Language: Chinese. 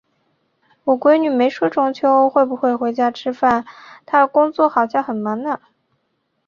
我闺女没说中秋会不会回家吃饭，她工作好像很忙呢。